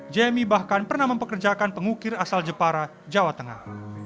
jemi bahkan pernah mempekerjakan pengukir asal jepara jawa tengah